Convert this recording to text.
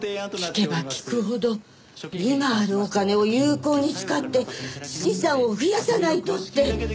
聞けば聞くほど今あるお金を有効に使って資産を増やさないとって。